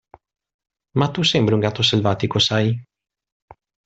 Ma tu sembri un gatto selvatico, sai?